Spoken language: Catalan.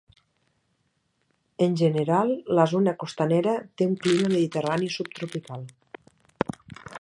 En general la zona costanera té un clima mediterrani subtropical.